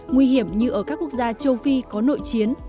nguy hiểm như ở các quốc gia châu phi có nội chiến